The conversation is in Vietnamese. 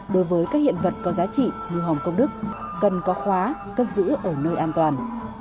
đối với các hiện vật có giá trị như hồng công đức cần có khóa cất giữ ở nơi an toàn